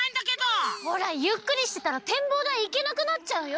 ほらゆっくりしてたらてんぼうだいいけなくなっちゃうよ！